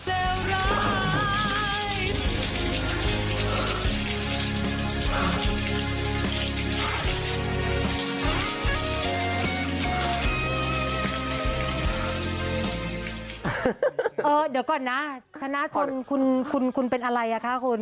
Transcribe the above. เดี๋ยวก่อนนะชนะคุณคุณเป็นอะไรอ่ะคะคุณ